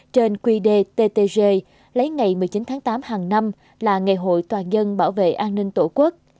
trên quy đề ttg lấy ngày một mươi chín tháng tám hàng năm là ngày hội toàn dân bảo vệ an ninh tổ quốc